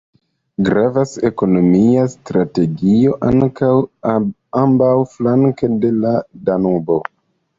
Gravas ekonomia strategio ankaŭ ambaŭflanke de la Danubo.